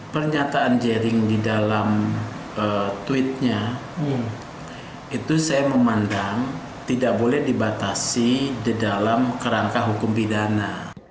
pernyataan jering di dalam tweetnya itu saya memandang tidak boleh dibatasi di dalam kerangka hukum pidana